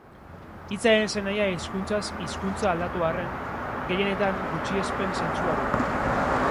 Hitzaren esanahia hizkuntzaz hizkuntza aldatu arren, gehienetan gutxiespen-zentzua du.